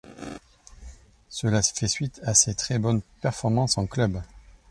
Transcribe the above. Cela fait suite à ses très bonnes performances en club.